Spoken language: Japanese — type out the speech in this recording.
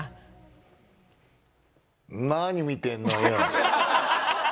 何見てんのよ。